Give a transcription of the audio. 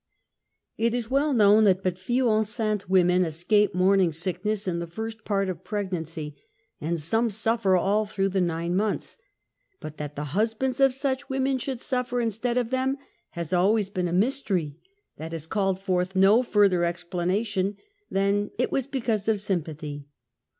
It is well known that but few enceinte women es cape morning sickness in the first part of pregnancy, that the husbands of such women should suffer in stead of them, has always been a m3^stery that has called forth no further explanation than that "it was because of sympathy."